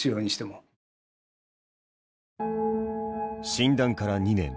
診断から２年。